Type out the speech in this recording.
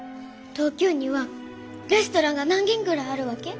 東京にはレストランが何軒ぐらいあるわけ？